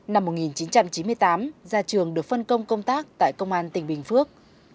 năm một nghìn chín trăm chín mươi tám ra trường được phân công công tác tại công an tỉnh bình phước